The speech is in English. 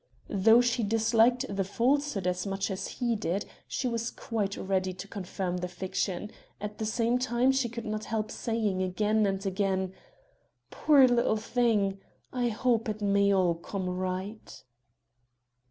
Though she disliked the falsehood as much as he did, she was quite ready to confirm the fiction; at the same time she could not help saying again and again: "Poor little thing! I hope it may all come right!"